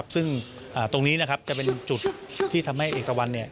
ซึ่งตรงนี้จะเป็นจุดที่ทำให้เอกตะวัน